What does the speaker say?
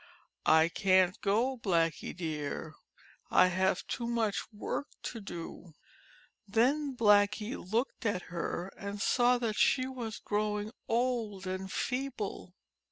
77 GRANNY'S BLACKIE "I can't go, Blackie, dear. I have too much work to do." Then Blackie looked at her and saw that she was growing old and feeble.